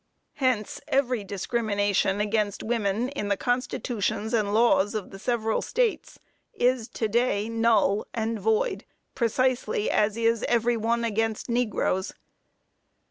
Hence, every discrimination against women in the constitutions and laws of the several states, is to day null and void, precisely as is every one against negroes.